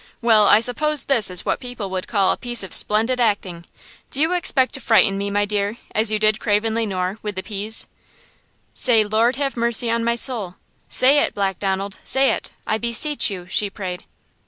Well, I suppose this is what people would call a piece of splendid acting! Do you expect to frighten me, my dear, as you did Craven Le Noir, with the peas!" "Say 'Lord have mercy on my soul'–say it, Black Donald–say it. I beseech you!" she prayed.